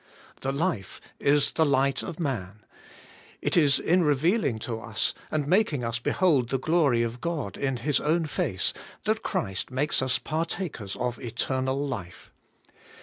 The life is the light of man; it is in reveal ing to us, and making us behold the glory of God in His own face, that Christ makes us partakers of eternal life.